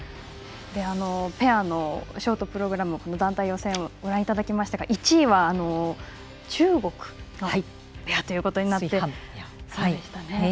ペアのショートプログラム団体予選をご覧いただきましたが１位は中国のペアとなりました。